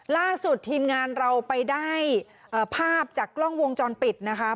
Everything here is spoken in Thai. ล่าสุดทีมงานเราไปได้ภาพจากกล้องวงจรปิดนะคะ